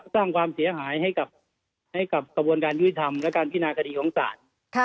สร้างความเสียหายให้กับกระบวนการยุติธรรมและการพินาคดีของศาล